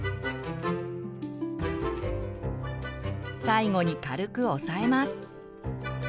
最後に軽く押さえます。